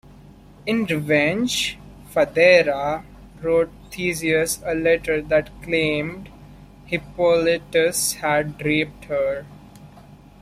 In revenge, Phaedra wrote Theseus a letter that claimed Hippolytus had raped her.